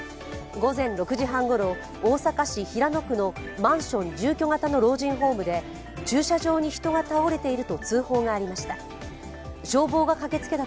午前６時半ごろ、大阪市平野区のマンション住居型の老人ホームで駐車場に人が倒れていると通報がありました。